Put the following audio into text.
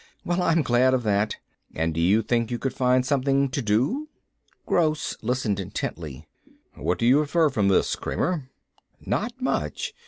Well, I'm glad of that. And you think you could find something to do?" Gross listened intently. "What do you infer from this, Kramer?" "Not much.